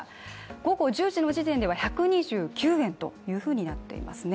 午後１０時の時点では１２９円となっていますね。